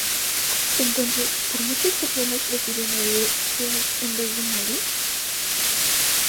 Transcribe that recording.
Entonces ¿Por muchas personas prefieren oír a Spears en vez a Moore?